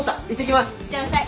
いってらっしゃい。